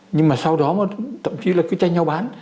nhưng mà sau đó mà thậm chí là cứ chanh nhau bán